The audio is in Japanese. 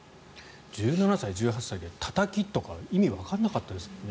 １７歳、１８歳でたたきとか意味わからなかったですもんね。